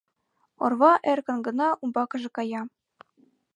Орва эркын гына умбакыже кая.